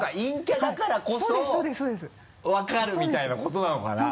キャだからこそ分かるみたいなことなのかな？